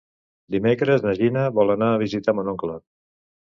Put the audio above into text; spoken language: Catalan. Dimecres na Gina vol anar a visitar mon oncle.